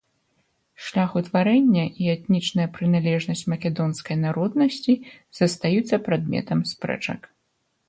Шлях утварэння і этнічная прыналежнасць македонскай народнасці застаюцца прадметам спрэчак.